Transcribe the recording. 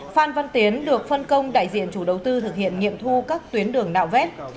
phan văn tiến được phân công đại diện chủ đầu tư thực hiện nghiệm thu các tuyến đường nạo vét